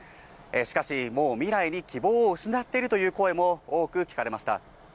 しかし、もう未来に希望を失っているという声も多く聞かれました。